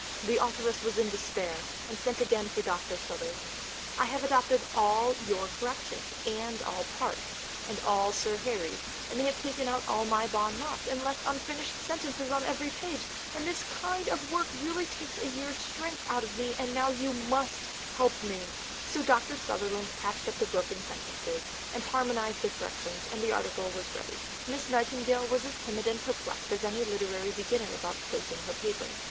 The authoress was in despair, and sent again for Dr. Sutherland: "I have adopted all your corrections, and all Parthe's, and all Sir Harry's; and they have taken out all my bons mots and left unfinished sentences on every page; and this kind of work really takes a year's strength out of me; and now you must help me." So, Dr. Sutherland patched up the broken sentences and harmonized the corrections, and the article was ready. Miss Nightingale was as timid and perplexed as any literary beginner about placing her paper.